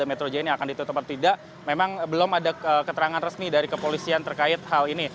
metro jaya ini akan ditutup atau tidak memang belum ada keterangan resmi dari kepolisian terkait hal ini